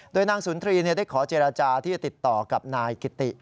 โดยนางสุนทรีย์ได้ขอเจรจาที่จะติดต่อกับนายกิติ